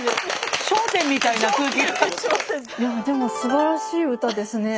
いやでもすばらしい歌ですね。